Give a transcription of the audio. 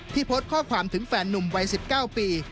ที่โพสต์ข้อความถึงแฟนหนุ่มวัยสิบเก้าปี